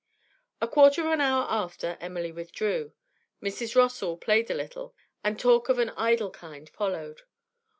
A quarter of an hour after, Emily withdrew. Mrs. Rossall played a little, and talk of an idle kind followed.